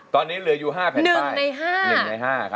ตอนนี้เหลืออยู่๕แผ่นป้าย๑ใน๕ครับ